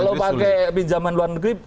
kalau pakai pinjaman luar negeri